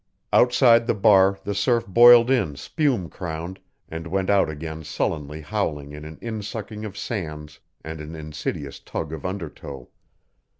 Outside the bar the surf boiled in spume crowned, and went out again sullenly howling an in sucking of sands and an insidious tug of undertow.